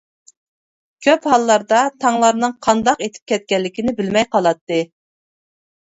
كۆپ ھاللاردا تاڭلارنىڭ قانداق ئېتىپ كەتكەنلىكىنى بىلمەي قالاتتى.